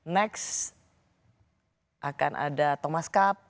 next akan ada thomas cup